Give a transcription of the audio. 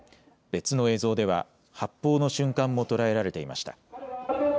別の映像では発砲の瞬間も捉えられていました。